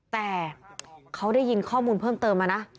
แต่เขาได้ยินข้อมูลเพิ่มเติมมานะ